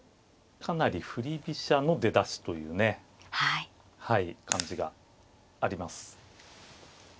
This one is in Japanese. かなり振り飛車の出だしというね感じがあります。